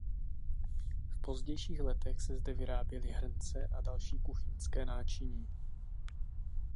V pozdějších letech se zde vyráběly hrnce a další kuchyňské náčiní.